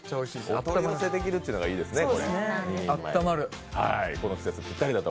お取り寄せできるっていうのがいいですね。